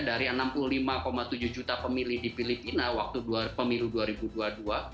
dari enam puluh lima tujuh juta pemilih di filipina waktu pemilu dua ribu dua puluh dua